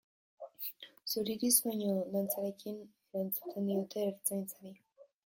Suziriz baino, dantzekin erantzuten diote Ertzaintzari.